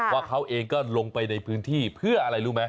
ว่าเขาเองก็ลงไปในพื้นที่เพื่ออะไรรู้ไหม